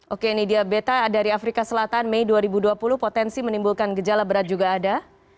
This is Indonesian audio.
oke ini dia beta dari afrika selatan mei dua ribu dua puluh potensi menimbulkan gejala berat juga ada